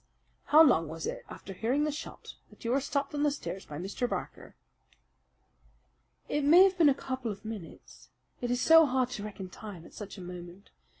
"How long was it after hearing the shot that you were stopped on the stair by Mr. Barker?" "It may have been a couple of minutes. It is so hard to reckon time at such a moment.